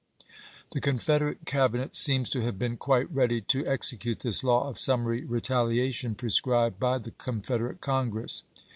The Confederate Cabinet seems to have been quite ready to execute this law of summary retalia tion prescribed by the Confederate Congress.